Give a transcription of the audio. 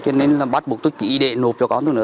cho nên bắt buộc tôi kỹ để nộp cho con tôi nữa